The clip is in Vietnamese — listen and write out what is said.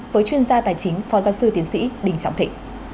với chuyên gia tài chính phó giáo sư tiến sĩ đình trọng thị